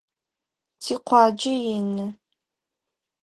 Тикъуаджэ ины.